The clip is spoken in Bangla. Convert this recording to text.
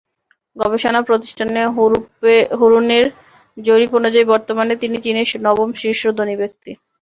গবেষণা প্রতিষ্ঠান হুরুনের জরিপ অনুযায়ী, বর্তমানে তিনি চীনের নবম শীর্ষ ধনী ব্যক্তি।